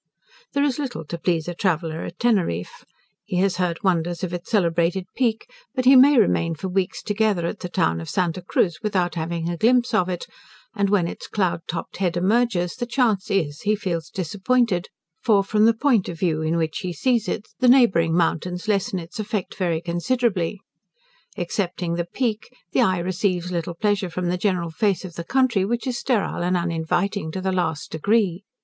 There is little to please a traveller at Teneriffe. He has heard wonders of its celebrated Peak, but he may remain for weeks together at the town of Santa Cruz without having a glimpse of it, and when its cloud topped head emerges, the chance is, that he feels disappointed, for, from the point of view in which he sees it, the neighbouring mountains lessen its effect very considerably. Excepting the Peak, the eye receives little pleasure from the general face of the country, which is sterile and uninviting to the last degree.